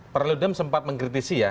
pak radlidem sempat mengkritisi ya